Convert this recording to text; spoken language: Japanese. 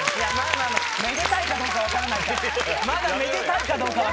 まだめでたいかどうか分からないから。